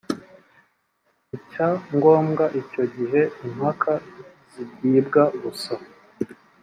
icya ngombwa icyo gihe impaka zigibwa gusa